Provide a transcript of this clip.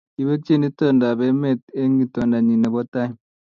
kiwekchi itondap emet eng itondanyi nebo tai